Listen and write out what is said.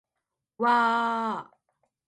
わあーーーーーーーーーー